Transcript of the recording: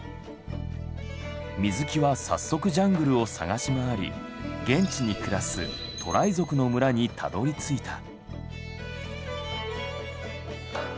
水木は早速ジャングルを探し回り現地に暮らすトライ族の村にたどりついた。